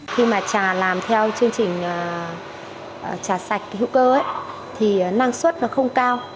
khi mà trà làm theo chương trình trà sạch hữu cơ thì năng suất nó không cao